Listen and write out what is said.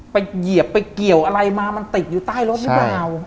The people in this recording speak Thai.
เหยียบไปเกี่ยวอะไรมามันติดอยู่ใต้รถหรือเปล่า